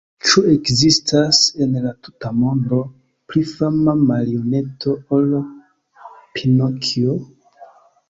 Ĉu ekzistas, en la tuta mondo, pli fama marioneto ol Pinokjo?